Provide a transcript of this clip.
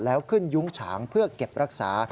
แล้วขึ้นยุ้งฉางเพื่อเก็บรักษา